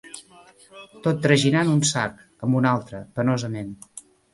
Tot traginant un sac amb un altre, penosament